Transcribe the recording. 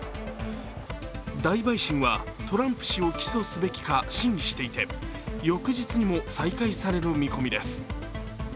大陪審はトランプ氏を起訴すべきか審議していて翌日にも再開される見込みです。